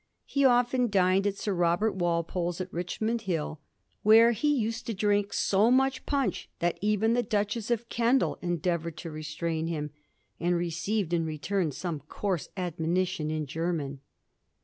He often dined at Sir Robert Walpole's, at Richmond Hill, where he used to drink so much punch that even the Duchess of Kendal endeavoured to restrain him, and received in return some coairse admonition in German.